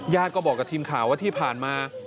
ก็บอกกับทีมข่าวว่าที่ผ่านมา